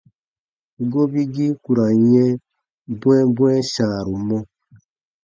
Gobigii ku ra n yɛ̃ bwɛ̃ɛbwɛ̃ɛ sãaru mɔ.